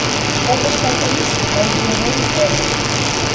პროტესტანტების დაუძინებელი მტერი.